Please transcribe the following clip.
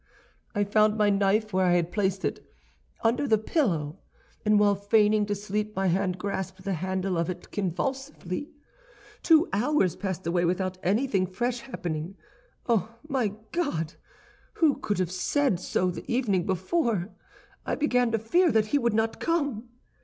"I found my knife where I had placed it, under my pillow, and while feigning to sleep, my hand grasped the handle of it convulsively. "Two hours passed away without anything fresh happening. Oh, my God! who could have said so the evening before? I began to fear that he would not come.